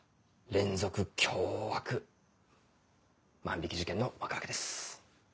連続凶悪万引事件の幕開けです。